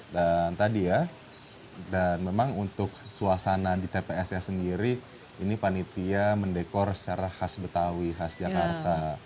dan tadi ya dan memang untuk suasana di tpsnya sendiri ini panitia mendekor secara khas betawi khas jakarta